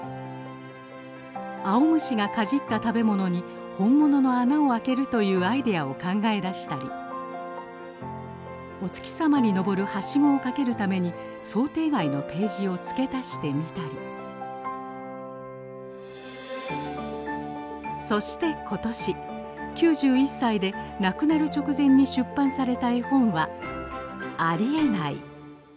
あおむしがかじった食べ物に本物の穴をあけるというアイデアを考え出したりお月さまに登るはしごをかけるために想定外のページを付け足してみたりそして今年９１歳で亡くなる直前に出版された絵本は「ありえない！」